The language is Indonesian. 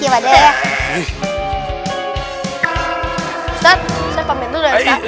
pak ustadz kenapa gemeteran kayaknya